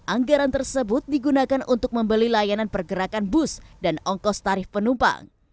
anggaran tersebut digunakan untuk membeli layanan pergerakan bus dan ongkos tarif penumpang